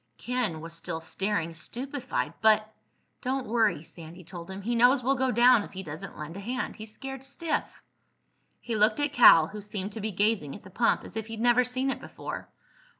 Ken was still staring, stupefied. "But—" "Don't worry," Sandy told him. "He knows we'll go down if he doesn't lend a hand. He's scared stiff." He looked at Cal, who seemed to be gazing at the pump as if he'd never seen it before.